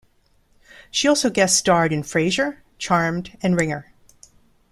She also guest-starred in "Frasier", "Charmed", and "Ringer".